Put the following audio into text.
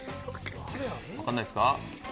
分かんないっすか？